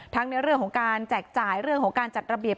ในเรื่องของการแจกจ่ายเรื่องของการจัดระเบียบ